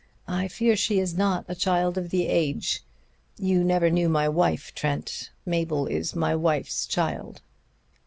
I fear she is not a child of the age. You never knew my wife, Trent. Mabel is my wife's child."